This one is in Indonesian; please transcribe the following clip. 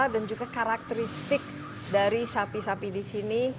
dan juga karakteristik dari sapi sapi di sini